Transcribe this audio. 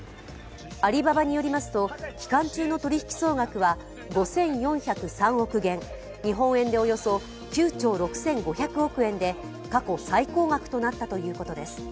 アリババによりますと期間中の取り引き総額５４０３億元、日本円でおよそ９兆６５００億円で過去最高額となったということです。